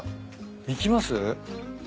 行きます？